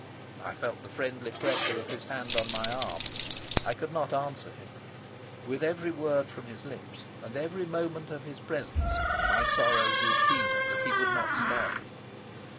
I felt the friendly pressure of his hand on my arm. I could not answer him. With every word from his lips and every moment of his presence my sorrow grew keener that he would not stay.